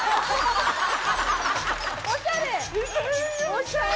おしゃれ！